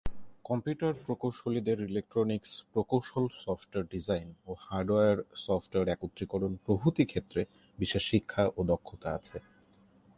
Computer প্রকৌশলীদের electronics প্রকৌশল software design ও হার্ডওয়ার-সফটওয়ার একত্রীকরণ প্রভৃতি ক্ষেত্রে বিশেষ শিক্ষা ও দক্ষতা আছে।